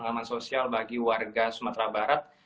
pengalaman sosial bagi warga sumatera barat